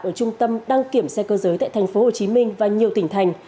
ở trung tâm đăng kiểm xe cơ giới tại tp hcm và nhiều tỉnh thành